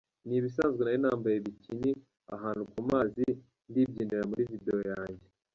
Ni ibisanzwe nari nambaye bikini ahantu ku mazi, ndibyinira muri video yanjye.